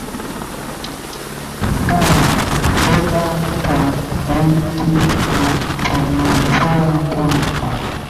ga mboga kwa wingi na tunajua kwamba